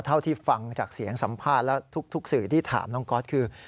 เท่าที่ฟังจากเสียงสัมภาษณ์และทุกสื่อที่ถามน้องก๊อตคือ